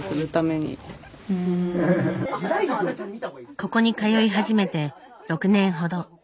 ここに通い始めて６年ほど。